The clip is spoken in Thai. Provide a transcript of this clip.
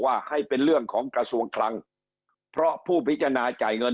ว่าให้เป็นเรื่องของกระทรวงคลังเพราะผู้พิจารณาจ่ายเงิน